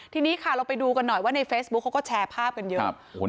ทีนี้ค่ะเราไปดูกันหน่อยว่าในเฟซบุ๊คเขาก็แชร์ภาพกันเยอะ